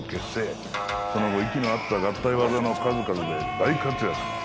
その後息の合った合体技の数々で大活躍。